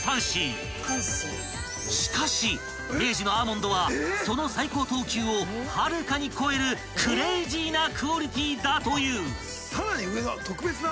［しかし明治のアーモンドはその最高等級をはるかに超えるクレイジーなクオリティーだという］